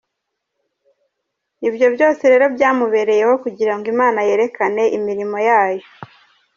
Ibyo byose rero byamubereye ho kugirango Imana yerekane imirimo yayo.